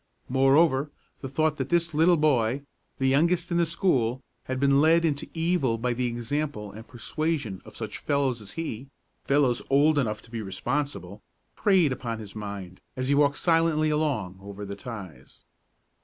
Moreover, the thought that this little boy, the youngest in the school, had been led into evil by the example and persuasion of such fellows as he, fellows old enough to be responsible, preyed upon his mind, as he walked silently along over the ties.